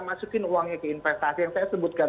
masukin uangnya ke investasi yang saya sebutkan